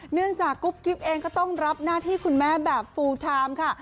จากกุ๊บกิ๊บเองก็ต้องรับหน้าที่คุณแม่แบบฟูลไทม์ค่ะ